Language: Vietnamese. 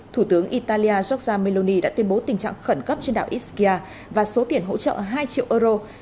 thủ tướng italia giorgia meloni đã tuyên bố tình trạng khẩn cấp trên đảo iskya và số tiền hỗ trợ hai triệu euro